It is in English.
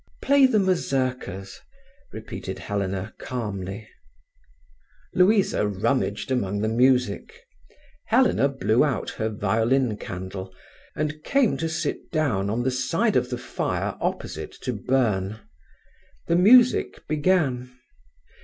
"Play the mazurkas," repeated Helena calmly. Louisa rummaged among the music. Helena blew out her violin candle, and came to sit down on the side of the fire opposite to Byrne. The music began.